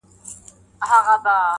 o راستي زوال نه لري٫